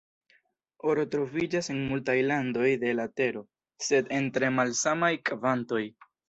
Oro troviĝas en multaj landoj de la Tero, sed en tre malsamaj kvantoj.